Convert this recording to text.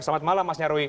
selamat malam mas nyarwi